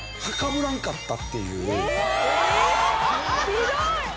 ひどい。